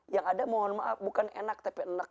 yang ada mohon maaf bukan enak tapi enak